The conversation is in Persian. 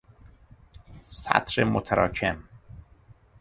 سطر متراکم